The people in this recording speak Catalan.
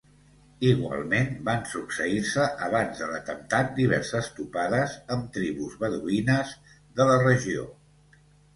Igualment, van succeir-se abans de l'atemptat diverses topades amb tribus beduïnes de la regió.